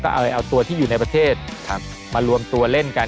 ก็เลยเอาตัวที่อยู่ในประเทศมารวมตัวเล่นกัน